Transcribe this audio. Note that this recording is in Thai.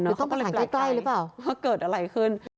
หรือต้องประสานใกล้หรือเปล่าเกิดอะไรขึ้นเขาก็เลยใกล้